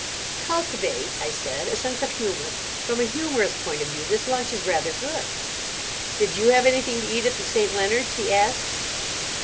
"Cultivate," I said, "a sense of humour. From a humorous point of view this lunch is rather good." "Did you have anything to eat at the St. Leonards'?" he asked.